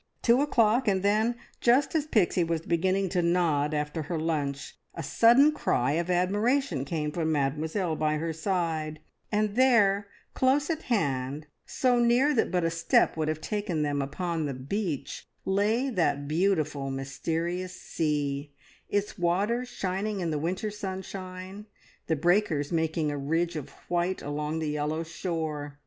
Two o'clock, and then, just as Pixie was beginning to nod after her lunch, a sudden cry of admiration came from Mademoiselle by her side, and there, close at hand, so near that but a step would have taken them upon the beach, lay the beautiful, mysterious sea, its waters shining in the winter sunshine, the breakers making a ridge of white along the yellow shore.